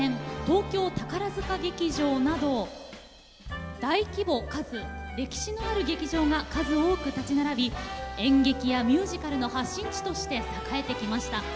東京宝塚劇場など大規模かつ歴史のある劇場が数多く立ち並び演劇やミュージカルの発信地として栄えてきました。